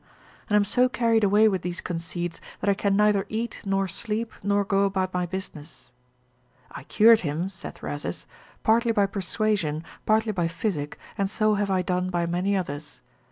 and am so carried away with these conceits, that I can neither eat, nor sleep, nor go about my business: I cured him (saith Rhasis) partly by persuasion, partly by physic, and so have I done by many others.